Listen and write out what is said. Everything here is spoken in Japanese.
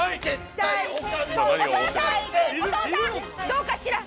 どうかしら？